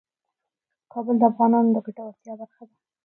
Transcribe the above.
کابل د افغانانو د ګټورتیا برخه ده.